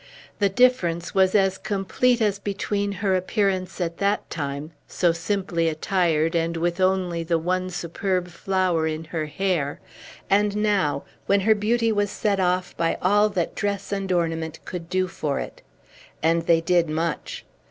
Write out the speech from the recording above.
The difference was as complete as between her appearance at that time so simply attired, and with only the one superb flower in her hair and now, when her beauty was set off by all that dress and ornament could do for it. And they did much.